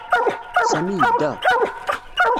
Sami yedda.